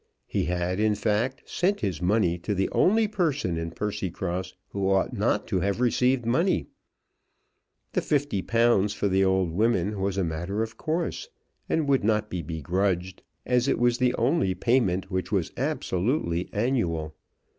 He had, in fact, sent his money to the only person in Percycross who ought not to have received money. The £50 for the old women was a matter of course, and would not be begrudged, as it was the only payment which was absolutely annual.